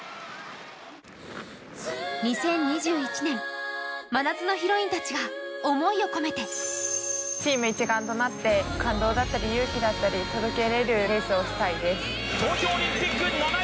２０２１年真夏のヒロインたちが思いを込めてチーム一丸となって、感動だったり勇気だったりを届けられるレースをしたいです。